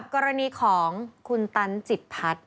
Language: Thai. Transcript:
สวัสดีค่ะต้องรับคุณผู้ชมเข้าสู่ชูเวสตีศาสตร์หน้า